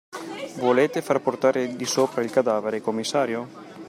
Volete far portare di sopra il cadavere, commissario?